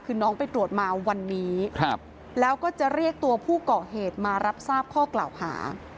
คือน้องไปตรวจมาวันนี้แล้วก็จะเรียกตัวผู้ก่อเหตุมารับทราบข้อกล่าวหา